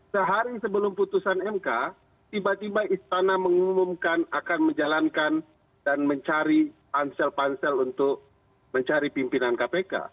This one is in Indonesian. sehari sebelum putusan mk tiba tiba istana mengumumkan akan menjalankan dan mencari pansel pansel untuk mencari pimpinan kpk